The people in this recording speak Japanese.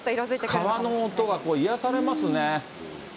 川の音がこう、癒やされますね。